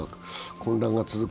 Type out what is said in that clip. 混乱が続く